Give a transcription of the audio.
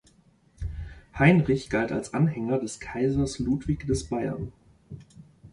Heinrich galt als Anhänger des Kaisers Ludwig des Bayern.